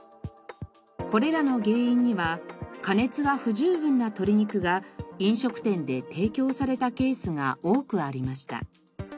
これらの原因には加熱が不十分な鶏肉が飲食店で提供されたケースが多くありました。